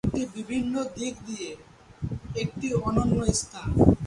এটি বিভিন্ন দিক দিয়ে একটি অনন্য স্থান।